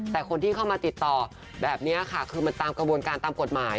แต่คนที่เข้ามาติดต่อแบบนี้ค่ะคือมันตามกระบวนการตามกฎหมาย